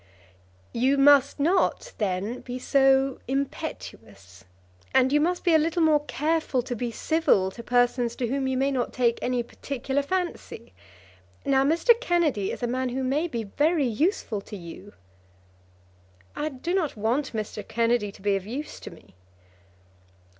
"You must not then be so impetuous, and you must be a little more careful to be civil to persons to whom you may not take any particular fancy. Now Mr. Kennedy is a man who may be very useful to you." "I do not want Mr. Kennedy to be of use to me."